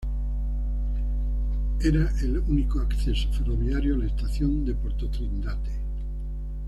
Era el único acceso ferroviario a la estación de Porto-Trindade.